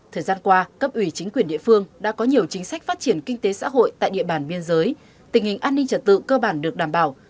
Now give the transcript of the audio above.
thời gian qua cấp ủy chính quyền địa phương đã có nhiều chính sách phát triển kinh tế xã hội tại địa bàn biên giới tình hình an ninh trật tự cơ bản được đảm bảo